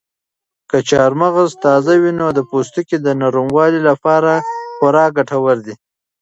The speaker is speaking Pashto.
که چهارمغز تازه وي نو د پوستکي د نرموالي لپاره خورا ګټور دي.